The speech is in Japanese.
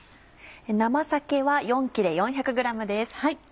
生鮭は４切れ４００ｇです。